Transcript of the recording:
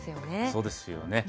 そうですよね。